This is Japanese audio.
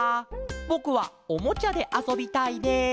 ぼくはおもちゃであそびたいです」。